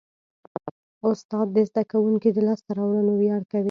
استاد د زده کوونکي د لاسته راوړنو ویاړ کوي.